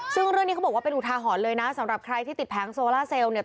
ซึ่งเรื่องนี้เขาบอกว่าเป็นอุทาหรณ์เลยนะสำหรับใครที่ติดแผงโซล่าเซลล์เนี่ย